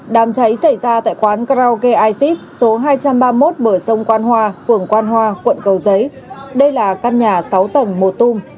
đàm cháy xảy ra tại quán krauge isis số hai trăm ba mươi một bờ sông quan hòa phường quan hòa quận cầu giấy đây là căn nhà sáu tầng một tung